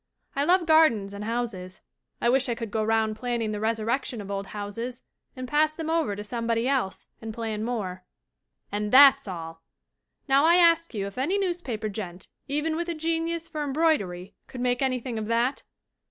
I love gardens and houses. I wish I could go round planning the resurrection of old houses and pass them over to somebody else and plan more. "And that's all! Now I ask you if any newspaper gent, even with a genius for embroidery, could make anything of that?